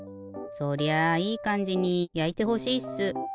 そりゃあいいかんじにやいてほしいっす。